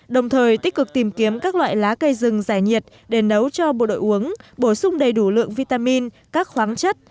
đồng thời tích cực tìm kiếm các loại lá cây rừng giải nhiệt để nấu cho bộ đội uống bổ sung đầy đủ lượng vitamin các khoáng chất